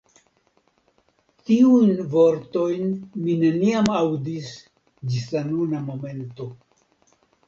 Tiujn vortojn mi neniam aŭdis ĝis la nuna momento.